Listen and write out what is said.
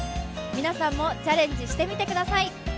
皆さんもチャレンジしてみてください。